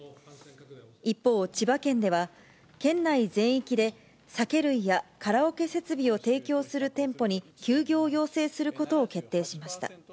一方、千葉県では、県内全域で、酒類やカラオケ設備を提供する店舗に休業を要請することを決定しました。